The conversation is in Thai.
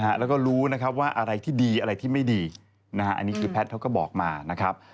แล้วก็รู้นะครับว่าอะไรที่ดีอะไรที่ไม่ดีนะฮะอันนี้คือแพทย์เขาก็บอกมานะครับ